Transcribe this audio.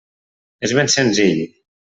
És ben senzill.